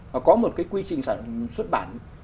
và có một cái quy trình xuất bản